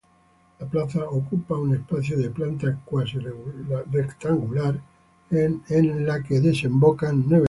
La plaza ocupa un espacio de planta cuasi-rectangular en el que desembocan nueve calles.